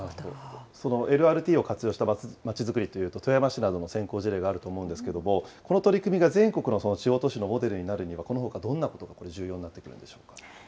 そのＬＲＴを活用したまちづくりというと、富山市などの先行事例があると思うんですけれども、この取り組みが全国の地方都市のモデルになるにはそのほかどんなことが重要になってくるんでしょうか。